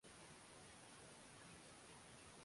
Kistawi kinawiri, kitumike kwenye bunge,